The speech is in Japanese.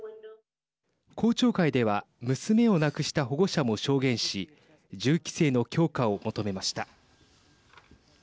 公聴会では娘を亡くした保護者も証言し銃規制の強化を求めました。